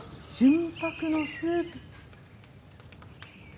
純白のスープ。